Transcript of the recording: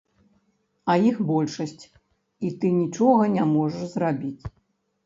А іх большасць, і ты нічога не можаш зрабіць.